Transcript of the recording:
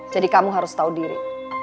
jadi kamu harus tahu diri